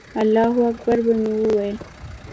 الله اکبر به مې وویل.